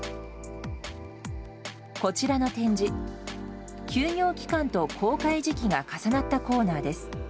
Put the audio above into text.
こちらの展示休業期間と公開時期が重なったコーナーです。